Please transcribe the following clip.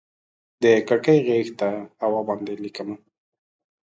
د کړکۍ غیږ ته هوا باندې ليکمه